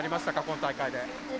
今大会で。